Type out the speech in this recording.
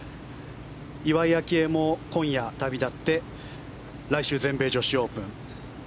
岩井明愛も今夜旅立って来週、全米女子オープン。